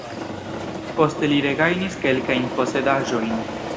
Poste li regajnis kelkajn posedaĵojn.